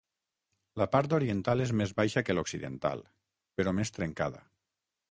La part oriental és més baixa que l'occidental, però més trencada.